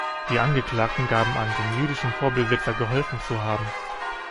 Die Angeklagten gaben an, den jüdischen Vorbesitzern geholfen zu haben.